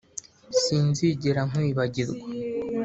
sinzigera nkwibagirwa.